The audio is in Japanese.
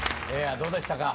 どうでしたか？